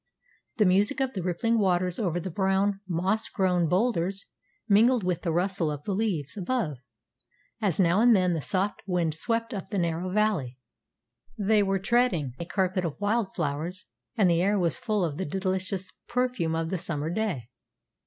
The music of the rippling waters over the brown, moss grown boulders mingled with the rustle of the leaves above, as now and then the soft wind swept up the narrow valley. They were treading a carpet of wild flowers, and the air was full of the delicious perfume of the summer day.